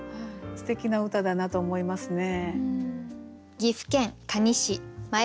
すてきな歌だなと思いますね。